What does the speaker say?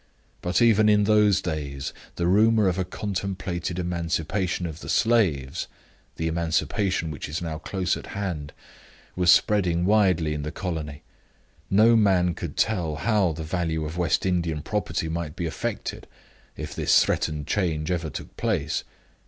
But, even in those days, the rumor of a contemplated emancipation of the slaves the emancipation which is now close at hand was spreading widely in the colony. No man could tell how the value of West Indian property might be affected if that threatened change ever took place.